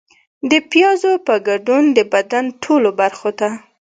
د پیازو په ګډون د بدن ټولو برخو ته